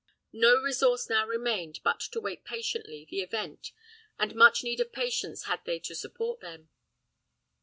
No resource now remained but to wait patiently the event, and much need of patience had they to support them.